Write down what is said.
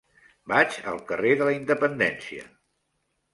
Vaig al carrer de la Independència.